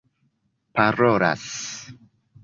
parolas